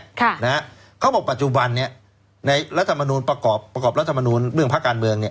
ค่ะนะฮะเขาบอกปัจจุบันเนี้ยในรัฐมนูลประกอบประกอบรัฐมนูลเรื่องภาคการเมืองเนี่ย